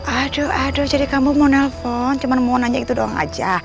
aduh aduh jadi kamu mau nelpon cuma mau nanya itu doang aja